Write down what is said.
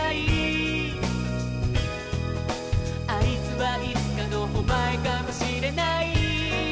「あいつはいつかのおまえかもしれない」